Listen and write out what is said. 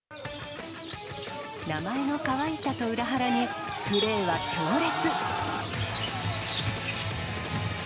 名前のかわいさと裏腹に、プレーは強烈。